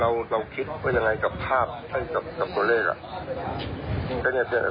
แล้วตัวว่าเราคิดว่ายังไงกับภาพ